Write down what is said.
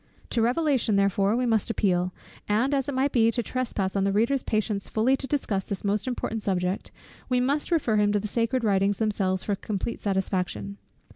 To Revelation therefore we must appeal; and as it might be to trespass on the reader's patience fully to discuss this most important subject, we must refer him to the sacred Writings themselves for complete satisfaction.